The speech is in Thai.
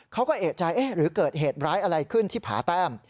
เขาก็เอกใจเอ๊ะหรือเกิดเหตุร้ายอะไรขึ้นที่ผาแต้ม